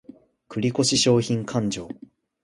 繰越商品勘定